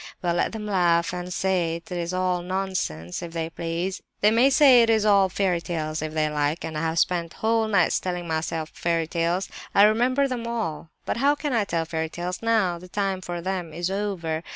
Well, let them laugh, and say it is all nonsense, if they please. They may say it is all fairy tales, if they like; and I have spent whole nights telling myself fairy tales. I remember them all. But how can I tell fairy tales now? The time for them is over.